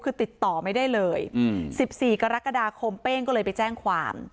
คือติดต่อไม่ได้เลย๑๔กรกฎาคมเป้งก็เลยไปแจ้งความ